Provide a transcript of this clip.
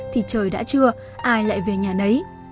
thì trời đã trưa ai lại về nhà nấy